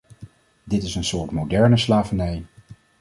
Dit is een soort moderne slavernij.